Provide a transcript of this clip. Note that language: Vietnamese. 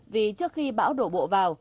vì trước khi bão đổ bộ vào